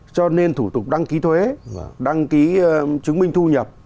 cho nên thủ tục đăng ký thuế đăng ký chứng minh thu nhập